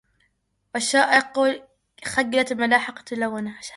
وشقائق خجلت ملاحة لونه